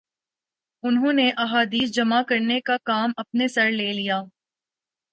انہوں نے احادیث جمع کرنے کا کام اپنے سر لے لیا